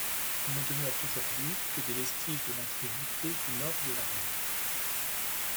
Ne demeurent aujourd'hui que des vestiges de l'entrée voutée du nord de l'arène.